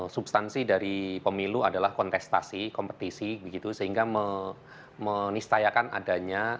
substansi dari pemilu adalah kontestasi kompetisi begitu sehingga menistayakan adanya